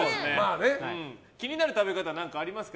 気になる食べ方ありますか？